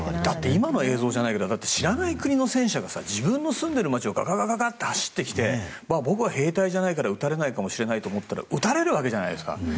今の映像じゃないけど知らない国の戦車が自分の住んでる町を走ってきて僕は兵隊じゃないから撃たれないと思ったら撃たれるわけじゃないですか。